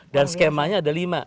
dan skemanya ada lima